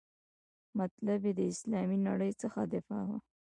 مطلب یې د اسلامي نړۍ څخه دفاع وه.